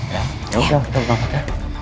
ya yaudah kita berangkat ya